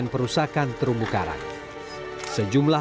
nah sekarang kitarics dulu